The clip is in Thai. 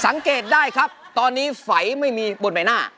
สังเกตได้ครับตอนนี้ไฟไม่มีบนใบหน้า